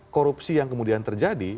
korupsi yang kemudian terjadi